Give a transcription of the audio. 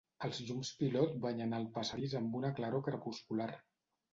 Els llums pilot banyen el passadís amb una claror crepuscular.